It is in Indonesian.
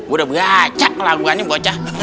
udah beracak laguannya bucah